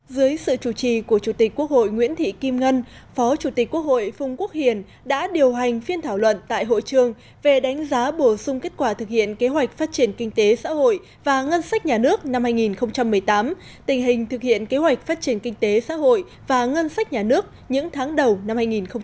dưới sự chủ trì của chủ tịch quốc hội nguyễn thị kim ngân phó chủ tịch quốc hội phung quốc hiền đã điều hành phiên thảo luận tại hội trường về đánh giá bổ sung kết quả thực hiện kế hoạch phát triển kinh tế xã hội và ngân sách nhà nước năm hai nghìn một mươi tám tình hình thực hiện kế hoạch phát triển kinh tế xã hội và ngân sách nhà nước những tháng đầu năm hai nghìn một mươi chín